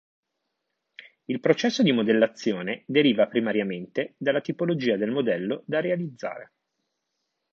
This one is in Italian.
Il processo di modellazione deriva primariamente dalla tipologia del modello da realizzare.